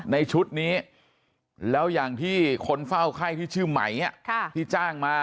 ในชุดนี้แล้วอย่างที่คนเฝ้าไข้ที่ชื่อไหมที่จ้างมา